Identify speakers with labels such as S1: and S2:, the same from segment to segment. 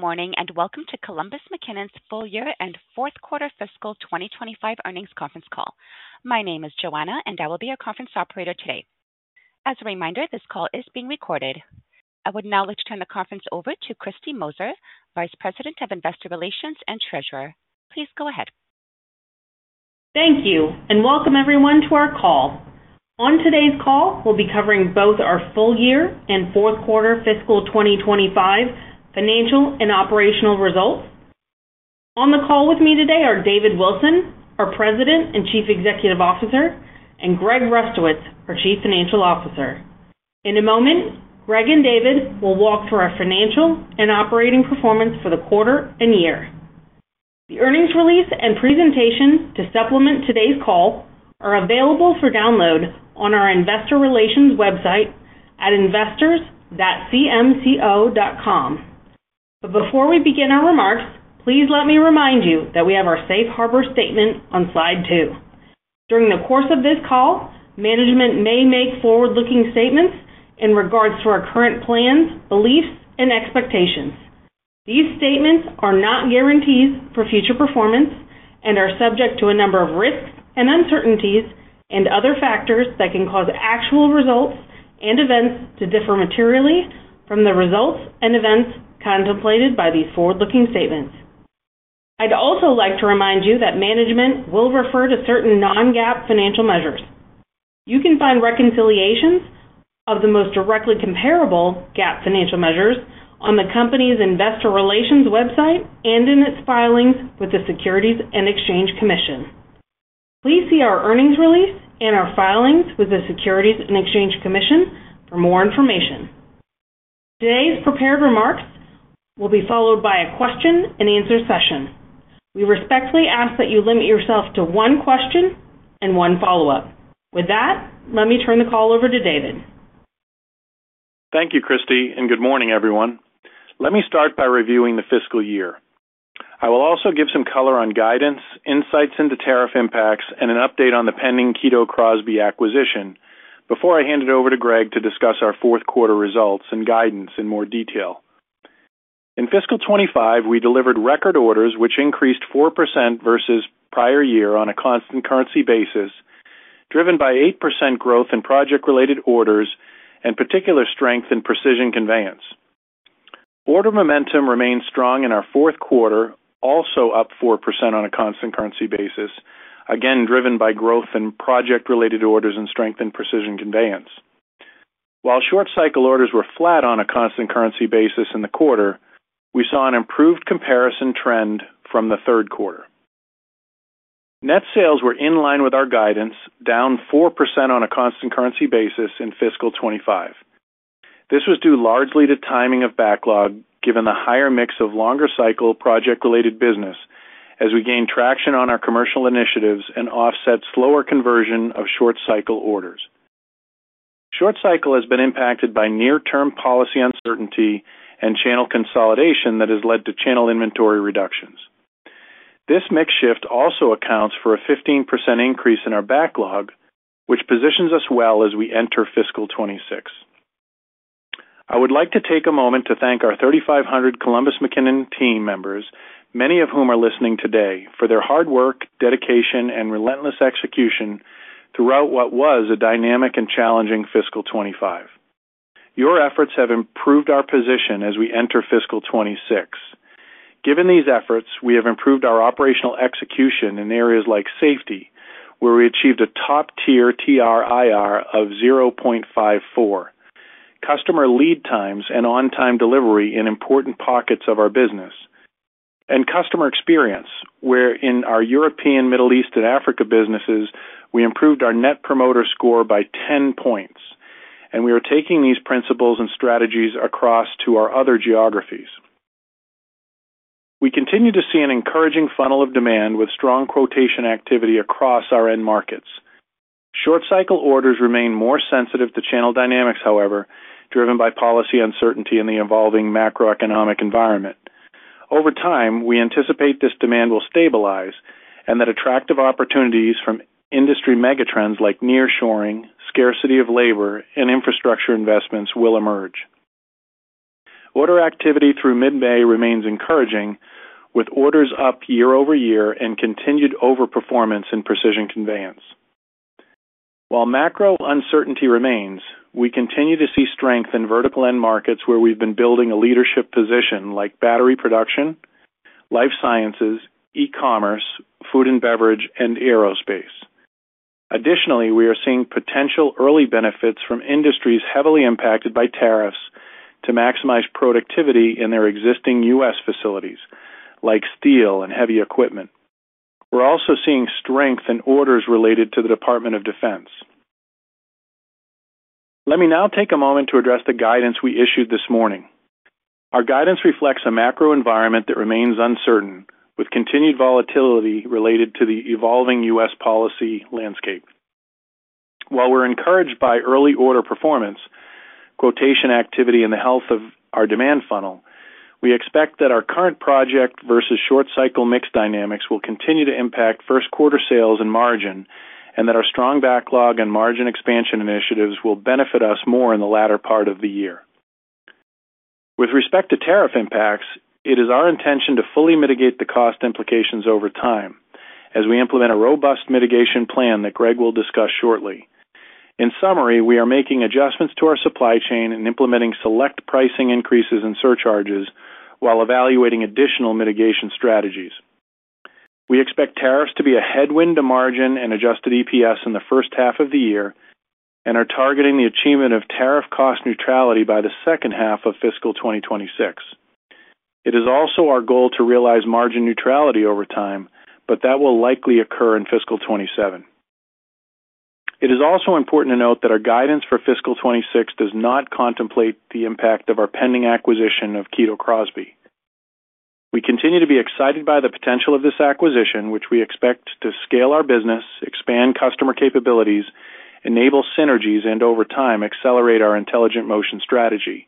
S1: Good morning and welcome to Columbus McKinnon's full year and fourth quarter fiscal 2025 earnings conference call. My name is Joanna, and I will be your conference operator today. As a reminder, this call is being recorded. I would now like to turn the conference over to Kristine Moser, Vice President of Investor Relations and Treasurer. Please go ahead.
S2: Thank you, and welcome everyone to our call. On today's call, we'll be covering both our full year and fourth quarter fiscal 2025 financial and operational results. On the call with me today are David Wilson, our President and Chief Executive Officer, and Greg Rustowicz, our Chief Financial Officer. In a moment, Greg and David will walk through our financial and operating performance for the quarter and year. The earnings release and presentation to supplement today's call are available for download on our Investor Relations website at investors.cmco.com. Before we begin our remarks, please let me remind you that we have our safe harbor statement on slide two. During the course of this call, management may make forward-looking statements in regards to our current plans, beliefs, and expectations. These statements are not guarantees for future performance and are subject to a number of risks and uncertainties and other factors that can cause actual results and events to differ materially from the results and events contemplated by these forward-looking statements. I'd also like to remind you that management will refer to certain non-GAAP financial measures. You can find reconciliations of the most directly comparable GAAP financial measures on the company's Investor Relations website and in its filings with the Securities and Exchange Commission. Please see our earnings release and our filings with the Securities and Exchange Commission for more information. Today's prepared remarks will be followed by a question-and-answer session. We respectfully ask that you limit yourself to one question and one follow-up. With that, let me turn the call over to David.
S3: Thank you, Kristine, and good morning, everyone. Let me start by reviewing the fiscal year. I will also give some color on guidance, insights into tariff impacts, and an update on the Kito Crosby acquisition before I hand it over to Greg to discuss our fourth quarter results and guidance in more detail. In fiscal 2025, we delivered record orders, which increased 4% versus prior year on a constant currency basis, driven by 8% growth in project-related orders and particular strength in precision conveyance. Order momentum remained strong in our fourth quarter, also up 4% on a constant currency basis, again driven by growth in project-related orders and strength in precision conveyance. While short-cycle orders were flat on a constant currency basis in the quarter, we saw an improved comparison trend from the third quarter. Net sales were in line with our guidance, down 4% on a constant currency basis in fiscal 2025. This was due largely to timing of backlog, given the higher mix of longer-cycle project-related business as we gained traction on our commercial initiatives and offset slower conversion of short-cycle orders. Short-cycle has been impacted by near-term policy uncertainty and channel consolidation that has led to channel inventory reductions. This mix shift also accounts for a 15% increase in our backlog, which positions us well as we enter fiscal 2026. I would like to take a moment to thank our 3,500 Columbus McKinnon team members, many of whom are listening today, for their hard work, dedication, and relentless execution throughout what was a dynamic and challenging fiscal 2025. Your efforts have improved our position as we enter fiscal 2026. Given these efforts, we have improved our operational execution in areas like safety, where we achieved a top-tier TRIR of 0.54, customer lead times and on-time delivery in important pockets of our business, and customer experience, where in our European, Middle East, and Africa businesses, we improved our net promoter score by 10 points. We are taking these principles and strategies across to our other geographies. We continue to see an encouraging funnel of demand with strong quotation activity across our end markets. Short-cycle orders remain more sensitive to channel dynamics, however, driven by policy uncertainty in the evolving macroeconomic environment. Over time, we anticipate this demand will stabilize and that attractive opportunities from industry megatrends like nearshoring, scarcity of labor, and infrastructure investments will emerge. Order activity through mid-May remains encouraging, with orders up year-over-year and continued overperformance in precision conveyance. While macro uncertainty remains, we continue to see strength in vertical end markets where we've been building a leadership position like battery production, life sciences, e-commerce, food and beverage, and aerospace. Additionally, we are seeing potential early benefits from industries heavily impacted by tariffs to maximize productivity in their existing U.S. facilities like steel and heavy equipment. We're also seeing strength in orders related to the Department of Defense. Let me now take a moment to address the guidance we issued this morning. Our guidance reflects a macro environment that remains uncertain, with continued volatility related to the evolving U.S. policy landscape. While we're encouraged by early order performance, quotation activity, and the health of our demand funnel, we expect that our current project versus short-cycle mix dynamics will continue to impact first-quarter sales and margin and that our strong backlog and margin expansion initiatives will benefit us more in the latter part of the year. With respect to tariff impacts, it is our intention to fully mitigate the cost implications over time as we implement a robust mitigation plan that Greg will discuss shortly. In summary, we are making adjustments to our supply chain and implementing select pricing increases and surcharges while evaluating additional mitigation strategies. We expect tariffs to be a headwind to margin and adjusted EPS in the first half of the year and are targeting the achievement of tariff cost neutrality by the second half of fiscal 2026. It is also our goal to realize margin neutrality over time, but that will likely occur in fiscal 2027. It is also important to note that our guidance for fiscal 2026 does not contemplate the impact of our pending acquisition Kito Crosby. we continue to be excited by the potential of this acquisition, which we expect to scale our business, expand customer capabilities, enable synergies, and over time accelerate our intelligent motion strategy.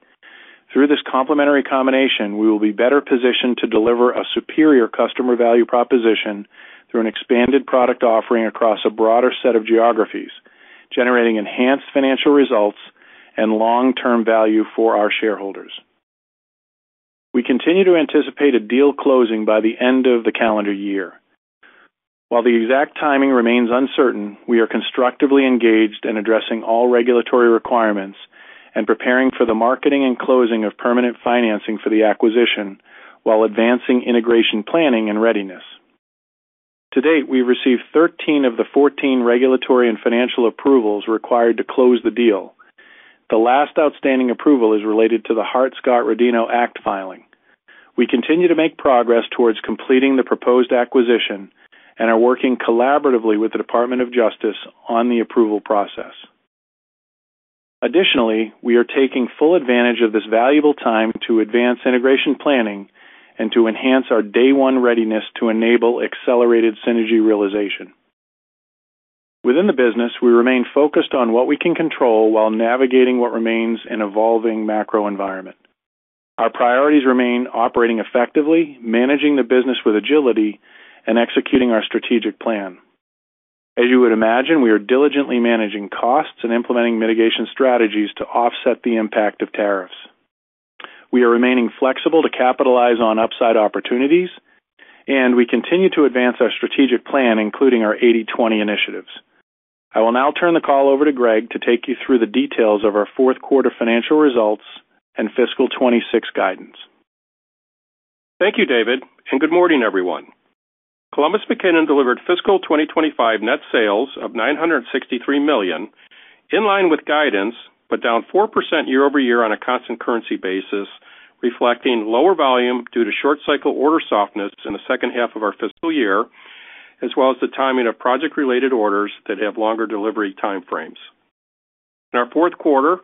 S3: Through this complementary combination, we will be better positioned to deliver a superior customer value proposition through an expanded product offering across a broader set of geographies, generating enhanced financial results and long-term value for our shareholders. We continue to anticipate a deal closing by the end of the calendar year. While the exact timing remains uncertain, we are constructively engaged in addressing all regulatory requirements and preparing for the marketing and closing of permanent financing for the acquisition while advancing integration planning and readiness. To date, we've received 13 of the 14 regulatory and financial approvals required to close the deal. The last outstanding approval is related to the Hart-Scott-Rodino Act filing. We continue to make progress towards completing the proposed acquisition and are working collaboratively with the Department of Justice on the approval process. Additionally, we are taking full advantage of this valuable time to advance integration planning and to enhance our day-one readiness to enable accelerated synergy realization. Within the business, we remain focused on what we can control while navigating what remains an evolving macro environment. Our priorities remain operating effectively, managing the business with agility, and executing our strategic plan. As you would imagine, we are diligently managing costs and implementing mitigation strategies to offset the impact of tariffs. We are remaining flexible to capitalize on upside opportunities, and we continue to advance our strategic plan, including our 80/20 initiatives. I will now turn the c all over to Greg to take you through the details of our fourth quarter financial results and fiscal 2026 guidance.
S4: Thank you, David, and good morning, everyone. Columbus McKinnon delivered fiscal 2025 net sales of $963 million in line with guidance but down 4% year-over-year on a constant currency basis, reflecting lower volume due to short-cycle order softness in the second half of our fiscal year, as well as the timing of project-related orders that have longer delivery timeframes. In our fourth quarter,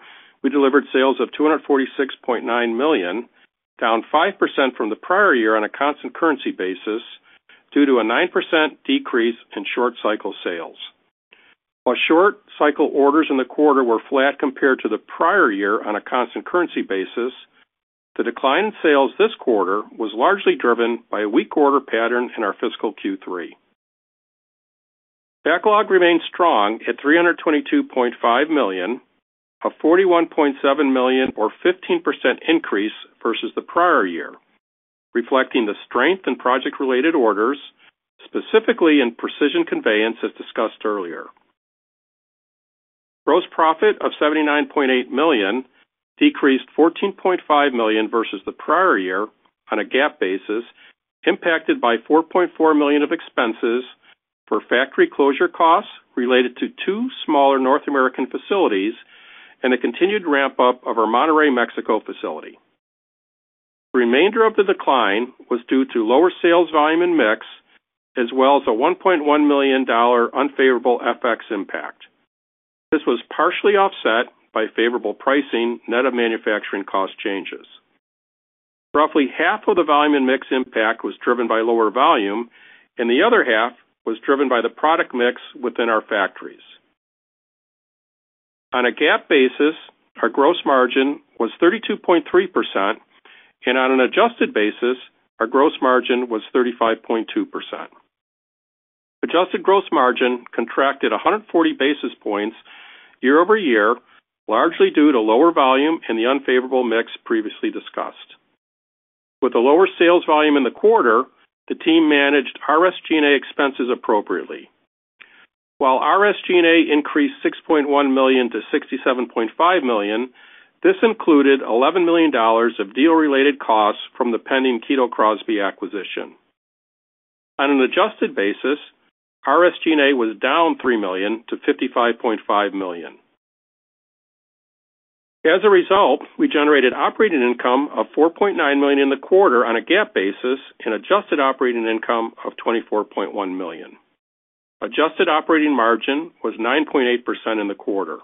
S4: we delivered sales of $246.9 million, down 5% from the prior year on a constant currency basis due to a 9% decrease in short-cycle sales. While short-cycle orders in the quarter were flat compared to the prior year on a constant currency basis, the decline in sales this quarter was largely driven by a weak order pattern in our fiscal Q3. Backlog remains strong at $322.5 million, a $41.7 million or 15% increase versus the prior year, reflecting the strength in project-related orders, specifically in precision conveyance as discussed earlier. Gross profit of $79.8 million decreased $14.5 million versus the prior year on a GAAP basis, impacted by $4.4 million of expenses for factory closure costs related to two smaller North American facilities and the continued ramp-up of our Monterrey, Mexico facility. The remainder of the decline was due to lower sales volume and mix, as well as a $1.1 million unfavorable FX impact. This was partially offset by favorable pricing net of manufacturing cost changes. Roughly half of the volume and mix impact was driven by lower volume, and the other half was driven by the product mix within our factories. On a GAAP basis, our gross margin was 32.3%, and on an adjusted basis, our gross margin was 35.2%. Adjusted gross margin contracted 140 basis points year-over-year, largely due to lower volume and the unfavorable mix previously discussed. With a lower sales volume in the quarter, the team managed our SG&A expenses appropriately. While our SG&A increased $6.1 million to $67.5 million, this included $11 million of deal-related costs from the Kito Crosby acquisition. On an adjusted basis, our SG&A was down $3 million to $55.5 million. As a result, we generated operating income of $4.9 million in the quarter on a GAAP basis and adjusted operating income of $24.1 million. Adjusted operating margin was 9.8% in the quarter.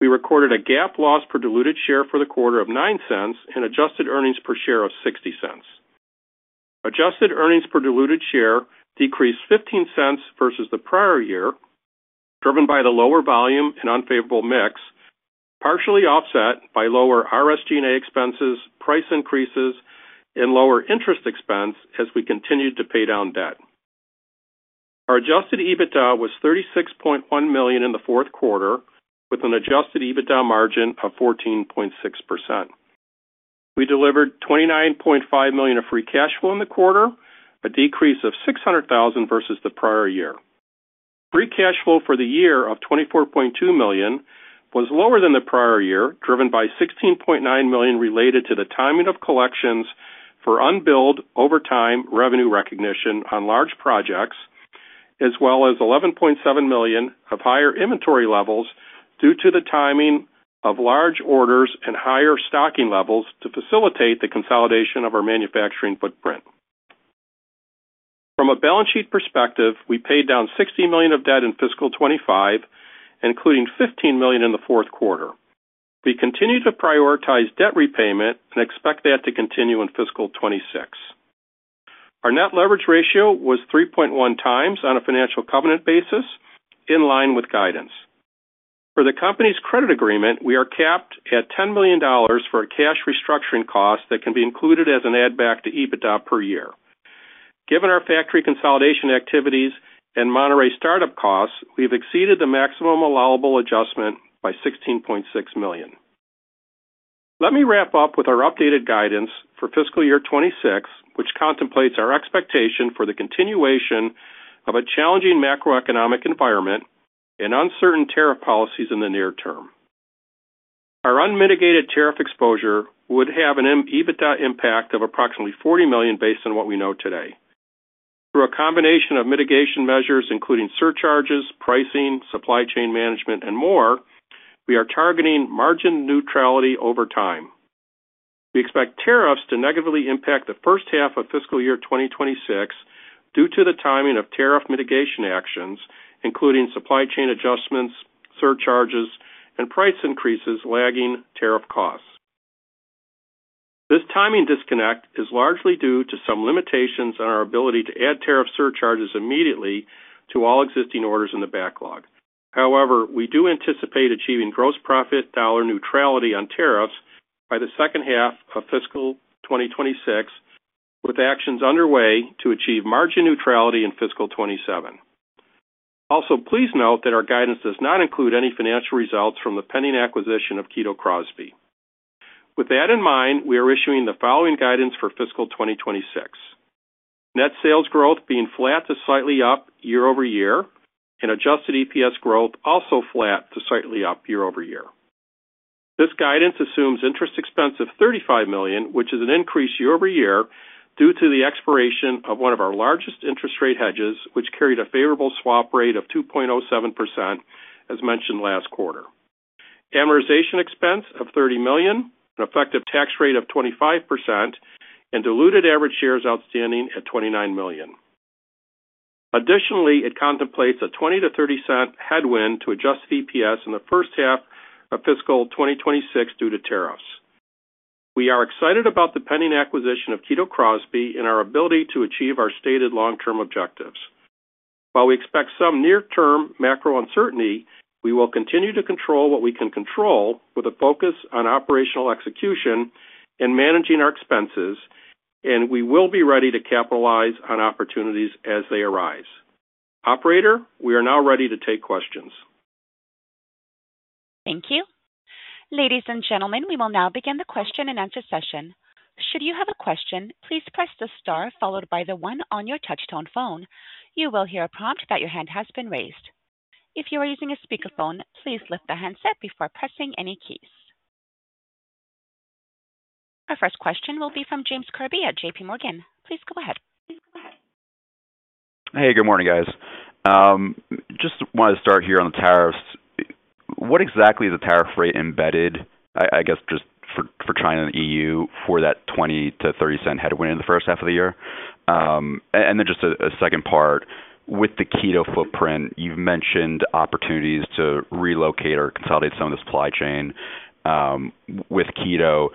S4: We recorded a GAAP loss per diluted share for the quarter of $0.09 and adjusted earnings per share of $0.60. Adjusted earnings per diluted share decreased $0.15 versus the prior year, driven by the lower volume and unfavorable mix, partially offset by lower our SG&A expenses, price increases, and lower interest expense as we continued to pay down debt. Our adjusted EBITDA was $36.1 million in the fourth quarter, with an adjusted EBITDA margin of 14.6%. We delivered $29.5 million of free cash flow in the quarter, a decrease of $600,000 versus the prior year. Free cash flow for the year of $24.2 million was lower than the prior year, driven by $16.9 million related to the timing of collections for unbilled overtime revenue recognition on large projects, as well as $11.7 million of higher inventory levels due to the timing of large orders and higher stocking levels to facilitate the consolidation of our manufacturing footprint. From a balance sheet perspective, we paid down $60 million of debt in fiscal 2025, including $15 million in the fourth quarter. We continue to prioritize debt repayment and expect that to continue in fiscal 2026. Our net leverage ratio was 3.1 times on a financial covenant basis, in line with guidance. For the company's credit agreement, we are capped at $10 million for cash restructuring costs that can be included as an add-back to EBITDA per year. Given our factory consolidation activities and Monterrey startup costs, we've exceeded the maximum allowable adjustment by $16.6 million. Let me wrap up with our updated guidance for fiscal year 2026, which contemplates our expectation for the continuation of a challenging macroeconomic environment and uncertain tariff policies in the near term. Our unmitigated tariff exposure would have an EBITDA impact of approximately $40 million based on what we know today. Through a combination of mitigation measures, including surcharges, pricing, supply chain management, and more, we are targeting margin neutrality over time. We expect tariffs to negatively impact the first half of fiscal year 2026 due to the timing of tariff mitigation actions, including supply chain adjustments, surcharges, and price increases lagging tariff costs. This timing disconnect is largely due to some limitations on our ability to add tariff surcharges immediately to all existing orders in the backlog. However, we do anticipate achieving gross profit dollar neutrality on tariffs by the second half of fiscal 2026, with actions underway to achieve margin neutrality in fiscal 2027. Also, please note that our guidance does not include any financial results from the pending acquisition of Kito Crosby. With that in mind, we are issuing the following guidance for fiscal 2026: net sales growth being flat to slightly up year-over-year, and adjusted EPS growth also flat to slightly up year-over-year. This guidance assumes interest expense of $35 million, which is an increase year-over-year due to the expiration of one of our largest interest rate hedges, which carried a favorable swap rate of 2.07%, as mentioned last quarter. Amortization expense of $30 million, an effective tax rate of 25%, and diluted average shares outstanding at 29 million. Additionally, it contemplates a $0.20-$0.30 headwind to adjusted EPS in the first half of fiscal 2026 due to tariffs. We are excited about the pending Kito Crosby and our ability to achieve our stated long-term objectives. While we expect some near-term macro uncertainty, we will continue to control what we can control with a focus on operational execution and managing our expenses, and we will be ready to capitalize on opportunities as they arise. Operator, we are now ready to take questions.
S1: Thank you. Ladies and gentlemen, we will now begin the question and answer session. Should you have a question, please press the star followed by the one on your touch-tone phone. You will hear a prompt that your hand has been raised. If you are using a speakerphone, please lift the handset before pressing any keys. Our first question will be from James Kirby at JPMorgan. Please go ahead.
S5: Hey, good morning, guys. Just wanted to start here on the tariffs. What exactly is the tariff rate embedded, I guess, just for China and the EU for that $0.20-$0.30 headwind in the first half of the year? Just a second part, with the Kito footprint, you've mentioned opportunities to relocate or consolidate some of the supply chain with Kito.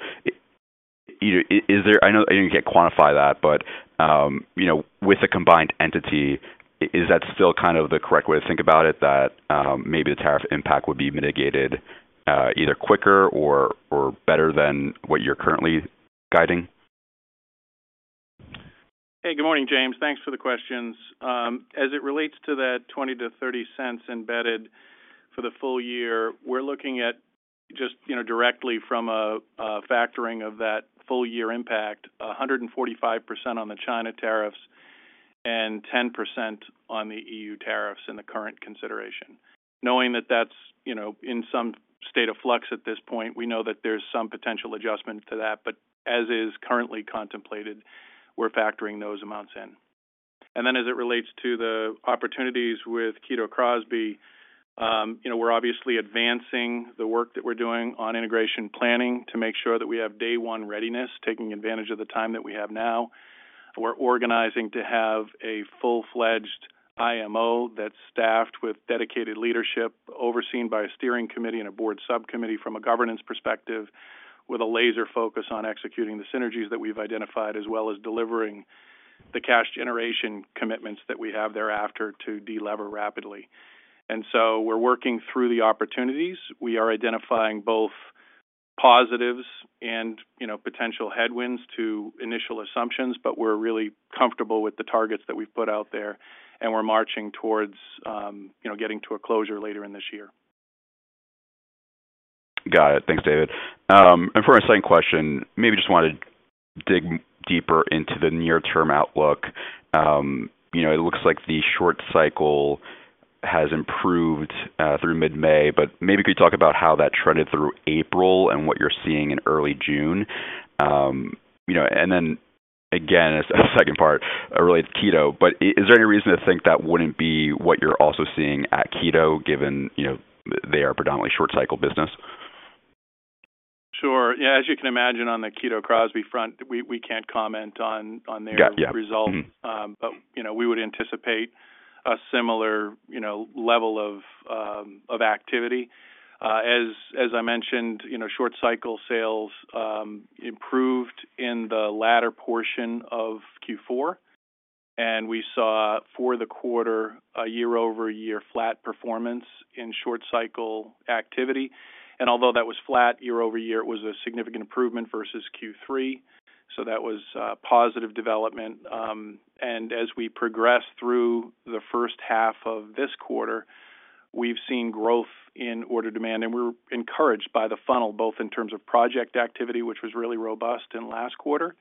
S5: I know you can't quantify that, but with a combined entity, is that still kind of the correct way to think about it, that maybe the tariff impact would be mitigated either quicker or better than what you're currently guiding?
S3: Hey, good morning, James. Thanks for the questions. As it relates to that $0.20-$0.30 embedded for the full year, we're looking at just directly from a factoring of that full year impact, 145% on the China tariffs and 10% on the EU tariffs in the current consideration. Knowing that that's in some state of flux at this point, we know that there's some potential adjustment to that, but as is currently contemplated, we're factoring those amounts in. As it relates to the Kito Crosby, we're obviously advancing the work that we're doing on integration planning to make sure that we have day-one readiness, taking advantage of the time that we have now. We're organizing to have a full-fledged IMO that's staffed with dedicated leadership, overseen by a steering committee and a board subcommittee from a governance perspective, with a laser focus on executing the synergies that we've identified, as well as delivering the cash generation commitments that we have thereafter to delever rapidly. We are working through the opportunities. We are identifying both positives and potential headwinds to initial assumptions, but we're really comfortable with the targets that we've put out there, and we're marching towards getting to a closure later in this year.
S5: Got it. Thanks, David. For our second question, maybe just wanted to dig deeper into the near-term outlook. It looks like the short cycle has improved through mid-May, but maybe could you talk about how that trended through April and what you're seeing in early June? Then again, a second part related to Kito, but is there any reason to think that would not be what you're also seeing at Kito, given they are predominantly short-cycle business?
S3: Sure. Yeah, as you can imagine, Kito Crosby front, we can't comment on their results, but we would anticipate a similar level of activity. As I mentioned, short-cycle sales improved in the latter portion of Q4, and we saw for the quarter, year-over-year flat performance in short-cycle activity. Although that was flat year-over-year, it was a significant improvement versus Q3, so that was a positive development. As we progressed through the first half of this quarter, we've seen growth in order demand, and we're encouraged by the funnel, both in terms of project activity, which was really robust in the last quarter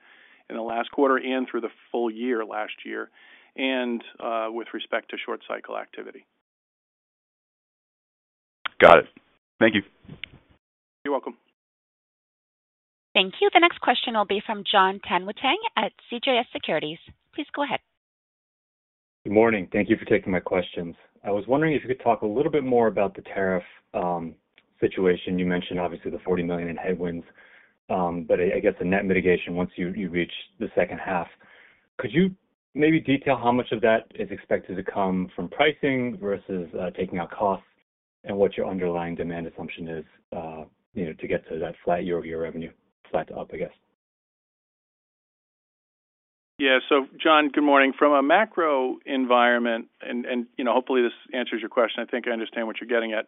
S3: and through the full year last year, and with respect to short-cycle activity.
S5: Got it. Thank you.
S3: You're welcome.
S1: Thank you. The next question will be from John Tanwanteng at CJS Securities. Please go ahead.
S6: Good morning. Thank you for taking my questions. I was wondering if you could talk a little bit more about the tariff situation. You mentioned, obviously, the $40 million in headwinds, but I guess the net mitigation once you reach the second half. Could you maybe detail how much of that is expected to come from pricing versus taking out costs and what your underlying demand assumption is to get to that flat year-over-year revenue, flat to up, I guess?
S3: Yeah. John, good morning. From a macro environment, and hopefully this answers your question, I think I understand what you're getting at.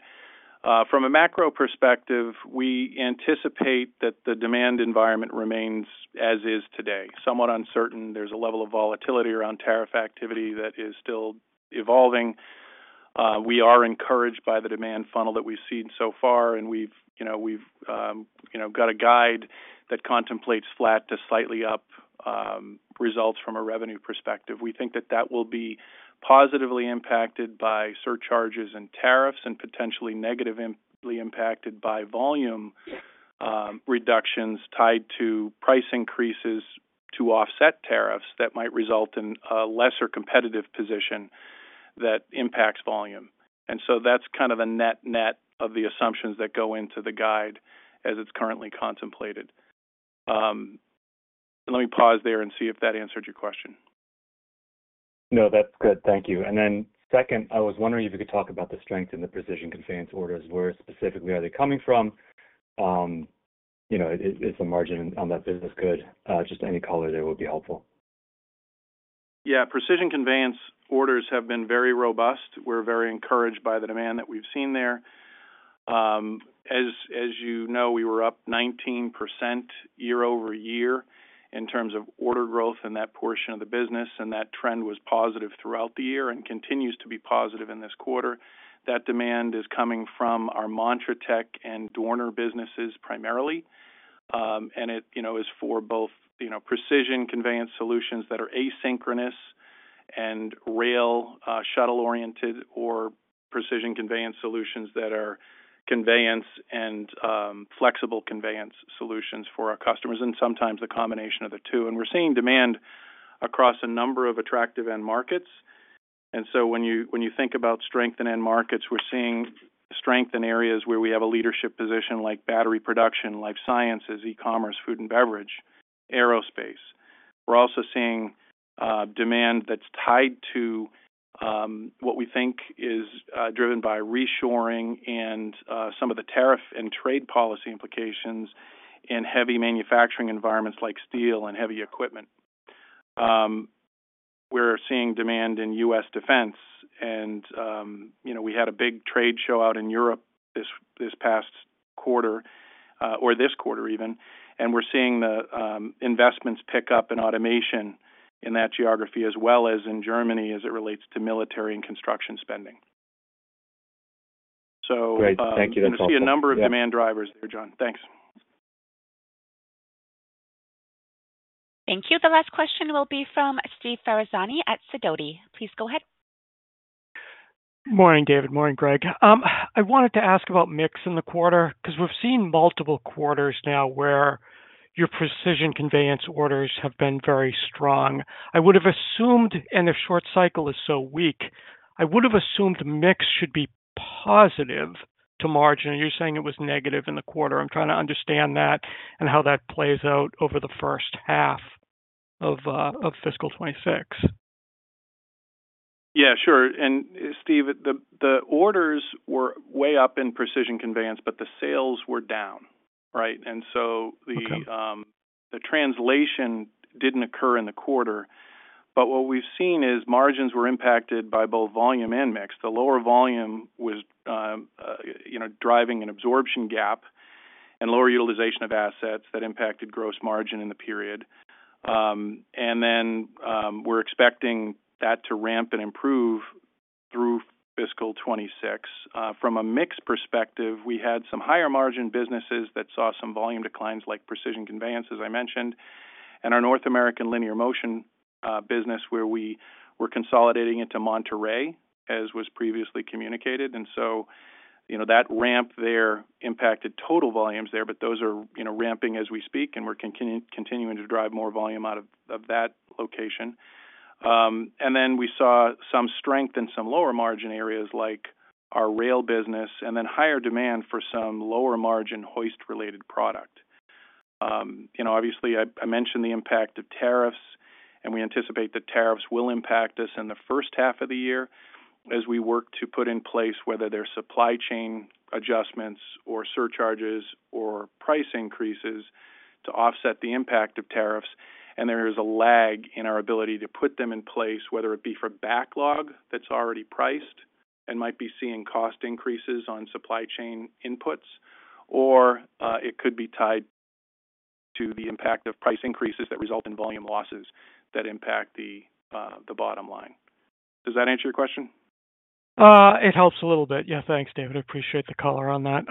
S3: From a macro perspective, we anticipate that the demand environment remains as is today, somewhat uncertain. There's a level of volatility around tariff activity that is still evolving. We are encouraged by the demand funnel that we've seen so far, and we've got a guide that contemplates flat to slightly up results from a revenue perspective. We think that that will be positively impacted by surcharges and tariffs and potentially negatively impacted by volume reductions tied to price increases to offset tariffs that might result in a lesser competitive position that impacts volume. That's kind of a net-net of the assumptions that go into the guide as it's currently contemplated. Let me pause there and see if that answered your question.
S6: No, that's good. Thank you. Then second, I was wondering if you could talk about the strength in the precision conveyance orders. Where specifically are they coming from? Is the margin on that business good? Just any color there would be helpful.
S3: Yeah. Precision conveyance orders have been very robust. We're very encouraged by the demand that we've seen there. As you know, we were up 19% year-over-year in terms of order growth in that portion of the business, and that trend was positive throughout the year and continues to be positive in this quarter. That demand is coming from our montratec and Dorner businesses primarily, and it is for both precision conveyance solutions that are asynchronous and rail shuttle-oriented or precision conveyance solutions that are conveyance and flexible conveyance solutions for our customers, and sometimes the combination of the two. We're seeing demand across a number of attractive end markets. When you think about strength in end markets, we're seeing strength in areas where we have a leadership position like battery production, life sciences, e-commerce, food and beverage, aerospace. We're also seeing demand that's tied to what we think is driven by reshoring and some of the tariff and trade policy implications in heavy manufacturing environments like steel and heavy equipment. We're seeing demand in U.S. defense, and we had a big trade show out in Europe this past quarter or this quarter even, and we're seeing the investments pick up in automation in that geography as well as in Germany as it relates to military and construction spending.
S6: Great. Thank you. That's helpful.
S3: You see a number of demand drivers there, John. Thanks.
S1: Thank you. The last question will be from Steve Ferazani at Sidoti. Please go ahead.
S7: Morning, David. Morning, Greg. I wanted to ask about mix in the quarter because we've seen multiple quarters now where your precision conveyance orders have been very strong. I would have assumed, and the short cycle is so weak, I would have assumed mix should be positive to margin, and you're saying it was negative in the quarter. I'm trying to understand that and how that plays out over the first half of fiscal 2026.
S3: Yeah, sure. Steve, the orders were way up in precision conveyance, but the sales were down, right? The translation did not occur in the quarter, but what we've seen is margins were impacted by both volume and mix. The lower volume was driving an absorption gap and lower utilization of assets that impacted gross margin in the period. We are expecting that to ramp and improve through fiscal 2026. From a mix perspective, we had some higher margin businesses that saw some volume declines like precision conveyance, as I mentioned, and our North American linear motion business where we were consolidating into Monterrey, as was previously communicated. That ramp there impacted total volumes there, but those are ramping as we speak, and we're continuing to drive more volume out of that location. We saw some strength in some lower margin areas like our rail business and then higher demand for some lower margin hoist-related product. Obviously, I mentioned the impact of tariffs, and we anticipate that tariffs will impact us in the first half of the year as we work to put in place whether they are supply chain adjustments or surcharges or price increases to offset the impact of tariffs. There is a lag in our ability to put them in place, whether it be for backlog that is already priced and might be seeing cost increases on supply chain inputs, or it could be tied to the impact of price increases that result in volume losses that impact the bottom line. Does that answer your question?
S7: It helps a little bit. Yeah, thanks, David. I appreciate the color on that.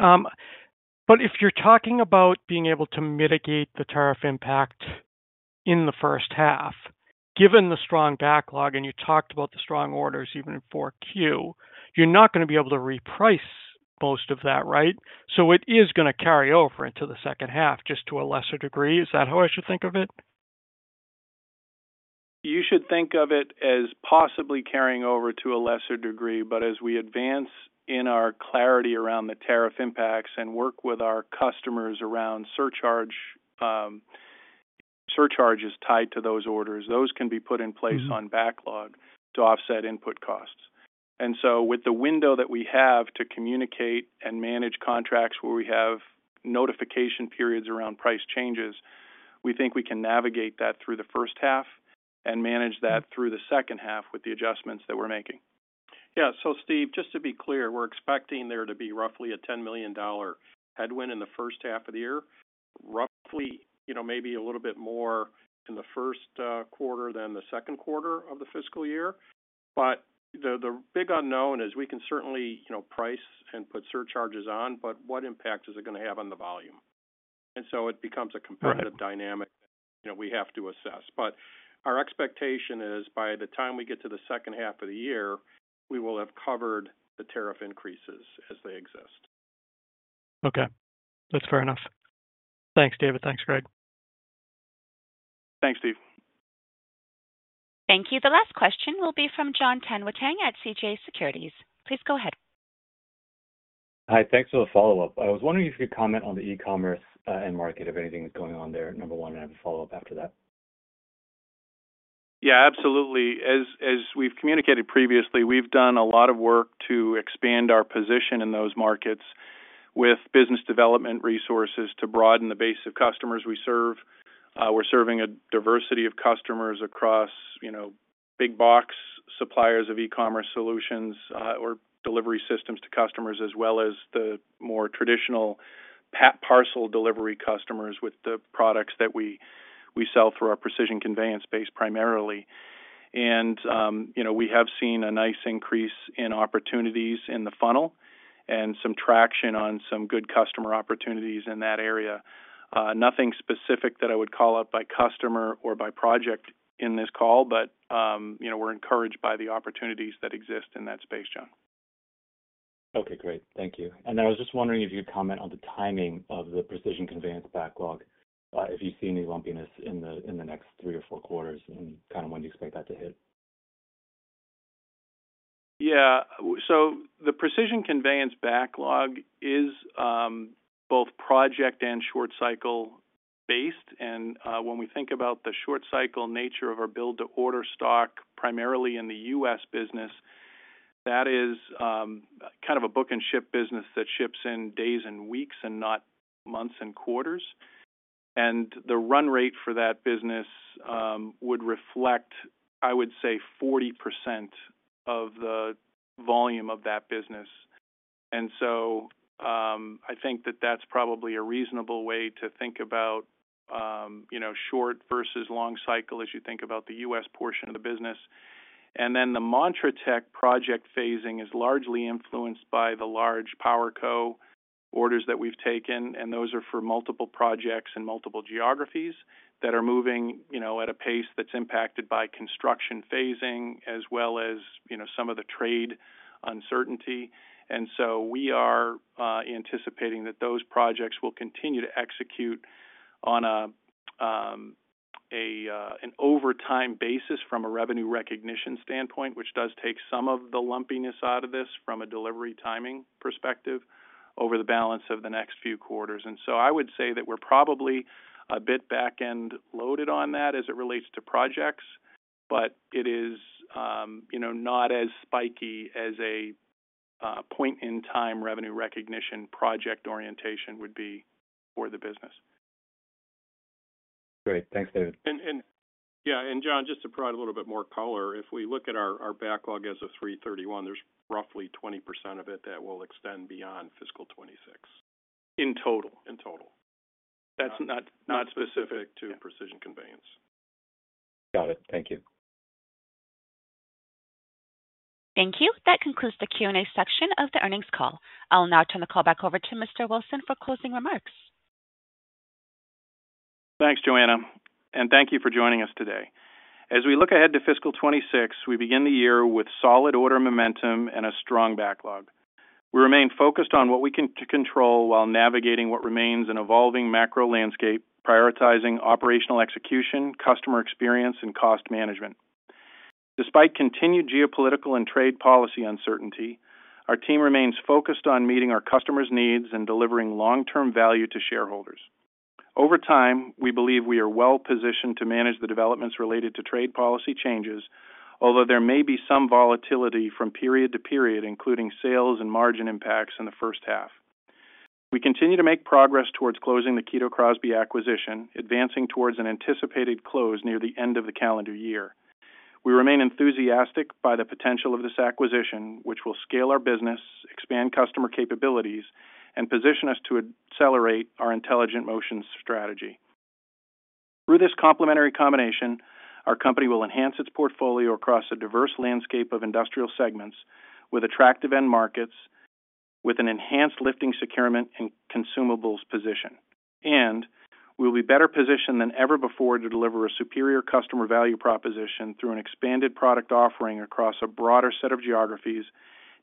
S7: If you're talking about being able to mitigate the tariff impact in the first half, given the strong backlog, and you talked about the strong orders even for Q, you're not going to be able to reprice most of that, right? It is going to carry over into the second half just to a lesser degree. Is that how I should think of it?
S3: You should think of it as possibly carrying over to a lesser degree, but as we advance in our clarity around the tariff impacts and work with our customers around surcharge, surcharges tied to those orders, those can be put in place on backlog to offset input costs. With the window that we have to communicate and manage contracts where we have notification periods around price changes, we think we can navigate that through the first half and manage that through the second half with the adjustments that we are making.
S4: Yeah. Steve, just to be clear, we are expecting there to be roughly a $10 million headwind in the first half of the year, roughly maybe a little bit more in the first quarter than the second quarter of the fiscal year. The big unknown is we can certainly price and put surcharges on, but what impact is it going to have on the volume? It becomes a competitive dynamic that we have to assess. Our expectation is by the time we get to the second half of the year, we will have covered the tariff increases as they exist.
S7: Okay. That's fair enough. Thanks, David. Thanks, Greg.
S3: Thanks, Steve.
S1: Thank you. The last question will be from John Tanwanteng at CJS Securities. Please go ahead.
S6: Hi. Thanks for the follow-up. I was wondering if you could comment on the e-commerce end market, if anything is going on there, number one, and have a follow-up after that.
S3: Yeah, absolutely. As we've communicated previously, we've done a lot of work to expand our position in those markets with business development resources to broaden the base of customers we serve. We're serving a diversity of customers across big box suppliers of e-commerce solutions or delivery systems to customers, as well as the more traditional parcel delivery customers with the products that we sell through our precision conveyance base primarily. We have seen a nice increase in opportunities in the funnel and some traction on some good customer opportunities in that area. Nothing specific that I would call out by customer or by project in this call, but we're encouraged by the opportunities that exist in that space, John.
S6: Okay. Great. Thank you. I was just wondering if you could comment on the timing of the precision conveyance backlog, if you see any lumpiness in the next three or four quarters and kind of when you expect that to hit.
S3: Yeah. The precision conveyance backlog is both project and short-cycle based. When we think about the short-cycle nature of our build-to-order stock, primarily in the U.S. business, that is kind of a book and ship business that ships in days and weeks and not months and quarters. The run rate for that business would reflect, I would say, 40% of the volume of that business. I think that that's probably a reasonable way to think about short versus long cycle as you think about the U.S. portion of the business. The montratec project phasing is largely influenced by the large PowerCo orders that we've taken, and those are for multiple projects and multiple geographies that are moving at a pace that's impacted by construction phasing as well as some of the trade uncertainty. We are anticipating that those projects will continue to execute on an overtime basis from a revenue recognition standpoint, which does take some of the lumpiness out of this from a delivery timing perspective over the balance of the next few quarters. I would say that we're probably a bit back-end loaded on that as it relates to projects, but it is not as spiky as a point-in-time revenue recognition project orientation would be for the business.
S6: Great. Thanks, David.
S4: Yeah, John, just to provide a little bit more color, if we look at our backlog as of 3/31, there's roughly 20% of it that will extend beyond fiscal 2026 in total. In total. That's not specific to precision conveyance.
S6: Got it. Thank you.
S1: Thank you. That concludes the Q&A section of the earnings call. I'll now turn the call back over to Mr. Wilson for closing remarks.
S3: Thanks, Joanna. Thank you for joining us today. As we look ahead to fiscal 2026, we begin the year with solid order momentum and a strong backlog. We remain focused on what we can control while navigating what remains an evolving macro landscape, prioritizing operational execution, customer experience, and cost management. Despite continued geopolitical and trade policy uncertainty, our team remains focused on meeting our customers' needs and delivering long-term value to shareholders. Over time, we believe we are well-positioned to manage the developments related to trade policy changes, although there may be some volatility from period to period, including sales and margin impacts in the first half. We continue to make progress towards Kito Crosby acquisition, advancing towards an anticipated close near the end of the calendar year. We remain enthusiastic by the potential of this acquisition, which will scale our business, expand customer capabilities, and position us to accelerate our intelligent motion strategy. Through this complementary combination, our company will enhance its portfolio across a diverse landscape of industrial segments with attractive end markets, with an enhanced lifting, securement, and consumables position. We will be better positioned than ever before to deliver a superior customer value proposition through an expanded product offering across a broader set of geographies,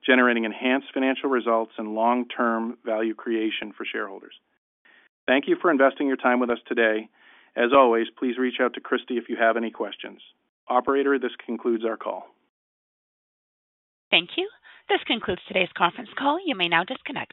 S3: generating enhanced financial results and long-term value creation for shareholders. Thank you for investing your time with us today. As always, please reach out to Kristine if you have any questions. Operator, this concludes our call.
S1: Thank you. This concludes today's conference call. You may now disconnect.